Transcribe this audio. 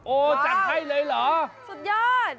จัดให้เลยเหรอสุดยอด